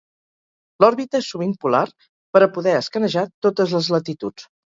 L’òrbita és sovint polar per a poder escanejar totes les latituds.